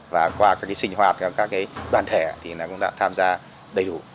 và qua các sinh hoạt các đoàn thể thì cũng đã tham gia đầy đủ